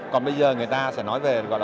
còn bây giờ người ta sẽ nói về